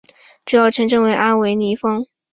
主要城镇为阿维尼翁。